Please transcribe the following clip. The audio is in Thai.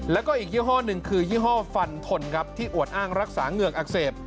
แล้วก็อีกยี่ห้อหนึ่งคือยี่ห้อฟันทนครับที่อวดอ้างรักษาเหงือกอักเสบ